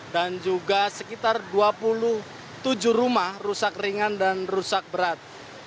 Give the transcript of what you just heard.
dan juga sekitar dua puluh tujuh rumah rusak ringan dan rusak berat